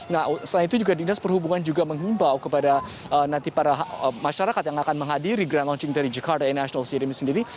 nah selain itu juga dinas perhubungan juga menghimbau kepada nanti para masyarakat yang akan menghadiri grand launching dari jakarta international city sendiri